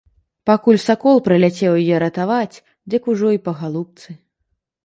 Пакуль сакол прыляцеў яе ратаваць, дык ужо і па галубцы.